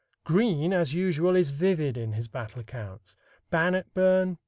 Green, as usual, is vivid in his battle accounts Bannockburn, pp.